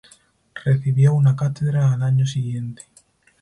Recibió una cátedra al año siguiente.